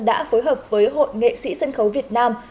đã phối hợp với hội nghệ sĩ sân khấu việt nam